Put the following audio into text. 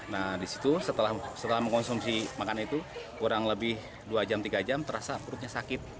nah disitu setelah mengkonsumsi makanan itu kurang lebih dua jam tiga jam terasa perutnya sakit